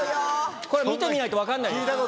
これは見てみないと分かんないです。